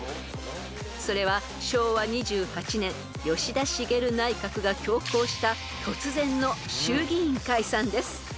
［それは昭和２８年吉田茂内閣が強行した突然の衆議院解散です］